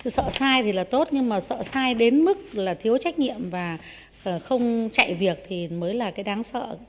sợ sai thì là tốt nhưng mà sợ sai đến mức là thiếu trách nhiệm và không chạy việc thì mới là cái đáng sợ